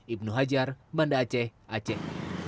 ibnu hajar banda aceh aceh